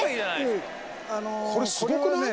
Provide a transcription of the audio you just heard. これすごくない？